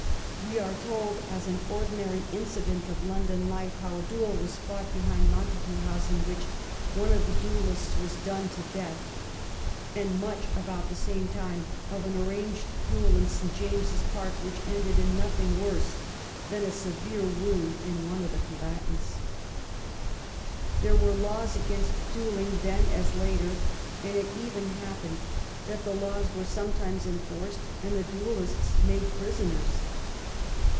We 210 THE LONDON OF QUEEN ANNE are told, as an ordinary incident of London life, how a duel was fought behind Montague House in which one of the duellists was done to death, and much about the same time of an arranged duel in St. James's Park, which ended in nothing worse than a severe wound to one of the combatants. There were laws against duelling then as later, and it even happened that the laws were sometimes enforced and the duellists made prisoners.